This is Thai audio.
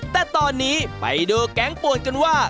แต่ตอนนี้ไปดูแก๊งป่วนกันว่า